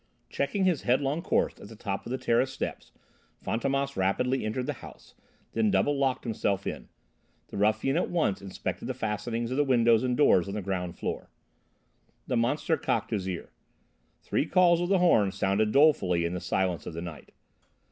Checking his headlong course at the top of the terrace steps, Fantômas rapidly entered the house, then double locked himself in. The ruffian at once inspected the fastenings of the windows and doors on the ground floor. The monster cocked his ear. Three calls of the horn sounded dolefully in the silence of the night.